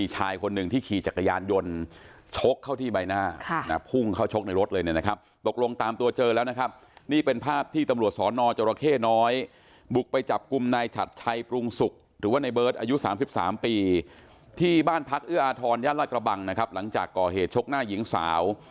หลักกระบังนะครับหลังจากก่อเหตุชกหน้าหญิงสาว